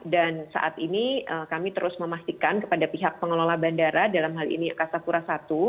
dan saat ini kami terus memastikan kepada pihak pengelola bandara dalam hal ini kasapura satu